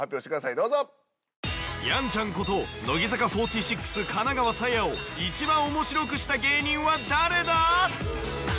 やんちゃんこと乃木坂４６金川紗耶をいちばんおもしろくした芸人は誰だ！？